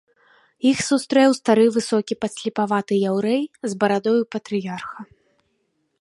Іх сустрэў стары высокі падслепаваты яўрэй з барадою патрыярха.